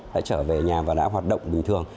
đã trở về nhà và đã hoạt động bình thường